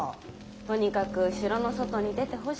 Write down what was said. とにかく城の外に出てほしくないようで。